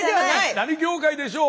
何業界でしょう？